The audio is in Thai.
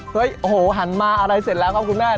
โอ้โหหันมาอะไรเสร็จแล้วครับคุณแม่